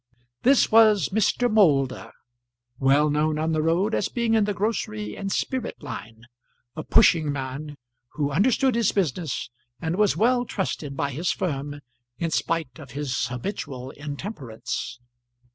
This was Mr. Moulder, well known on the road as being in the grocery and spirit line; a pushing man, who understood his business, and was well trusted by his firm in spite of his habitual intemperance.